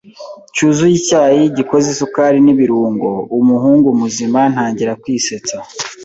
cyuzuye icyayi gikoze isukari n’ibirungo, umuhungu muzima ntangira kwisetsa